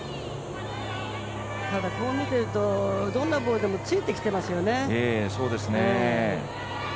ただ、こう見てるとどんなボールもついてきてますよね。